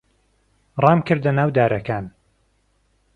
ڕامکردە ناو دارەکان.